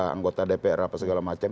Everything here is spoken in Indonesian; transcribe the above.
anggota dpr apa segala macam